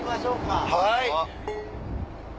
はい。